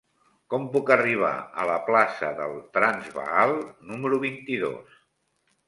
Com puc arribar a la plaça del Transvaal número vint-i-dos?